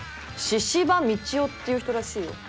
「神々道夫」っていう人らしいよ。